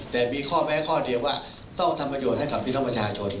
แต่มีข้อแม้ข้อเดียวว่าต้องทำประโยชน์ให้กับพี่น้องประชาชน